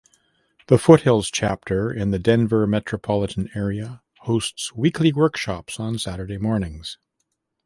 The Foothills Chapter in the Denver metropolitan area hosts weekly workshops on Saturday mornings.